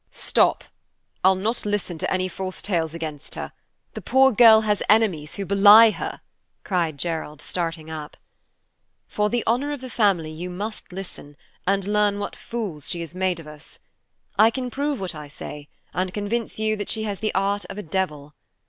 "Stop! I'll not listen to any false tales against her. The poor girl has enemies who belie her!" cried Gerald, starting up. "For the honor of the family, you must listen, and learn what fools she has made of us. I can prove what I say, and convince you that she has the art of a devil.